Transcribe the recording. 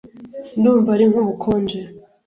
Ndumva ari nk'ubukonje.